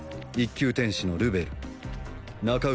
１級天使のルベル中